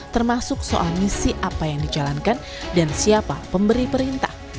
termasuk soal misi apa yang dijalankan dan siapa pemberi perintah